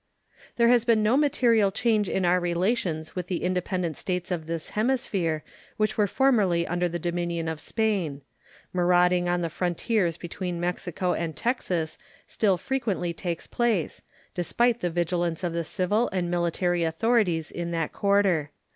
There has been no material change in our relations with the independent States of this hemisphere which were formerly under the dominion of Spain. Marauding on the frontiers between Mexico and Texas still frequently takes place, despite the vigilance of the civil and military authorities in that quarter.